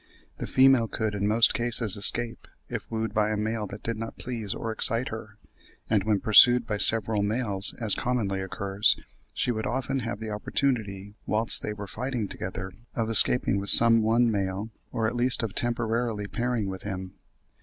The female could in most cases escape, if wooed by a male that did not please or excite her; and when pursued by several males, as commonly occurs, she would often have the opportunity, whilst they were fighting together, of escaping with some one male, or at least of temporarily pairing with him.